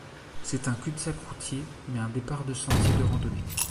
C'est un cul-de-sac routier mais un départ de sentiers de randonnée.